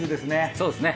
そうですね。